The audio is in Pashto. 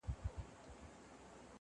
شیخ پیودلی د ریا تار په تسبو دی،